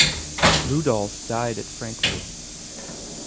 Ludolf died at Frankfurt.